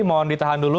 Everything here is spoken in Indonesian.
mohon ditahan dulu